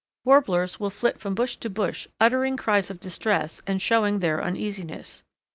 Warblers will flit from bush to bush uttering cries of distress and showing their uneasiness.